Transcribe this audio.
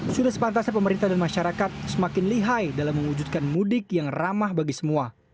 sudah sepantasnya pemerintah dan masyarakat semakin lihai dalam mewujudkan mudik yang ramah bagi semua